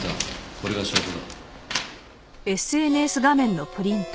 これが証拠だ。